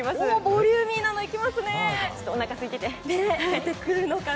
ボリューミーなのいきますね。